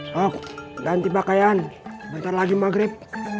sob ganti pakaian sebentar lagi maghrib